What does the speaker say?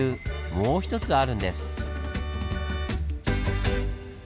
もう１つあるんです。